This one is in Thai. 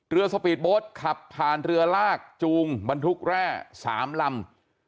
สปีดโบสต์ขับผ่านเรือลากจูงบรรทุกแร่๓ลำ